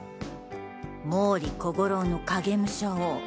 毛利小五郎の影武者を。